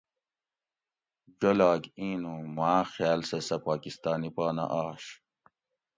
جولاگ اِیں نوں ماں خیال سہۤ سہۤ پاکستانی پا نہ آش